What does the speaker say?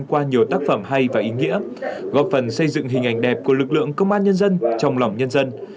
qua nhiều tác phẩm hay và ý nghĩa góp phần xây dựng hình ảnh đẹp của lực lượng công an nhân dân trong lòng nhân dân